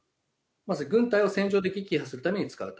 まさに軍隊を戦場で撃破するために使う。